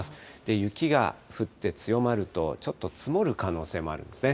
雪が降って強まると、ちょっと積もる可能性もあるんですね。